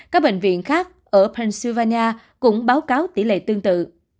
các bệnh viện khác ở pansylvania cũng báo cáo tỷ lệ tương tự